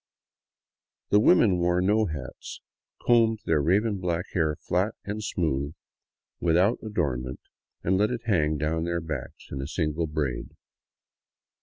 The women wore no hats, combed their raven black hair flat and smooth, without adorn ments, and let it hang down their backs in a single braid.